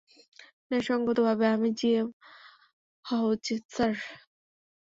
ন্যায়সঙ্গত ভাবে, আমি জিএম হওয়া উচিত, স্যার।